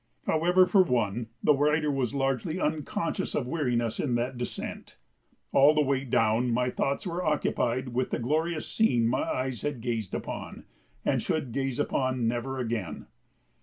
However, for one, the writer was largely unconscious of weariness in that descent. All the way down, my thoughts were occupied with the glorious scene my eyes had gazed upon and should gaze upon never again.